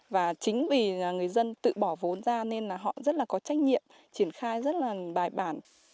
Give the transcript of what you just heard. và chính vì người dân tự bỏ vốn ra nên là họ rất là có trách nhiệm triển khai rất là bài bản